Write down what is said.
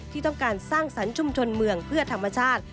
ที่ต้องการสร้างสรรค์ชุมชนเมืองเพื่อธรรมชาติ